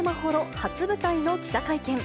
初舞台の記者会見。